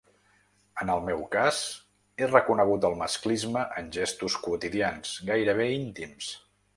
En el meu cas, he reconegut el masclisme en gestos quotidians, gairebé íntims.